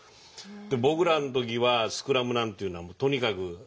僕らの時はスクラムなんていうのはとにかく「端に押せ！」